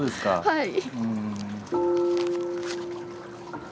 はい。